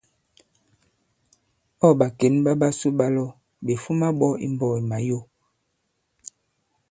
Ɔ̂ ɓàkěn ɓa ɓasu ɓa lɔ, ɓè fuma ɓɔ i mbɔ̄k i Màyo.